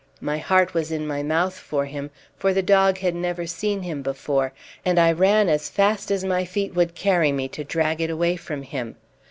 My heart was in my mouth for him, for the dog had never seen him before; and I ran as fast as my feet would carry me to drag it away from him.